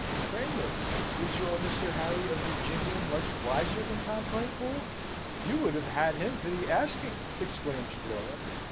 "Pray, miss, was your Mr. Harry, of Virginia, much wiser than Tom Claypool? You would have had him for the asking!" exclaims Flora.